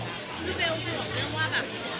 คือเบลห่วงเรื่องว่าแบบ